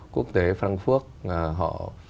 quốc tế frankfurt họ